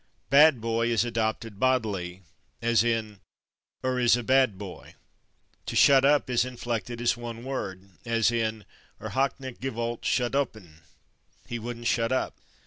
/Bad boy/ is adopted bodily, as in "er is a /bad boy/." To /shut up/ is inflected as one word, as in "er hat nit gewolt /shutup'n/" (=he wouldn't shut up).